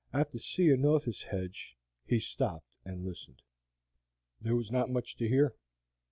At the Ceanothus hedge he stopped and listened. There was not much to hear.